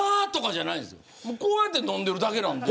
こうやって飲んでるだけなんで。